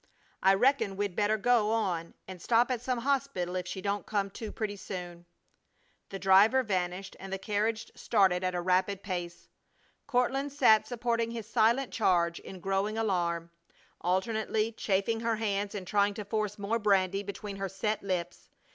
I reckon we'd better go on and stop at some hospital if she don't come to pretty soon." The driver vanished and the carriage started at a rapid pace. Courtland sat supporting his silent charge in growing alarm, alternately chafing her hands and trying to force more brandy between her set lips.